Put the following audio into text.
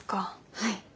はい。